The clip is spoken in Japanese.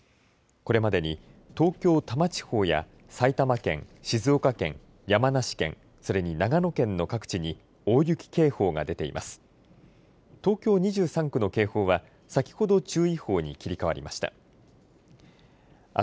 これまでに東京多摩地方や埼玉県、静岡県、山梨県それに長野県の各地に大雪警報が出ています。